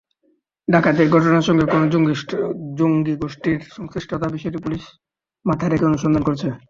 ডাকাতির ঘটনার সঙ্গে কোনো জঙ্গিগোষ্ঠীর সংশ্লিষ্টতার বিষয়টি পুলিশ মাথায় রেখে অনুসন্ধান করছে।